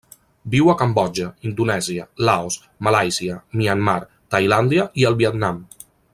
Viu a Cambodja, Indonèsia, Laos, Malàisia, Myanmar, Tailàndia i el Vietnam.